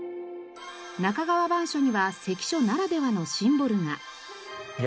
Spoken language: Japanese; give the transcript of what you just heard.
中川番所には関所ならではのシンボルが！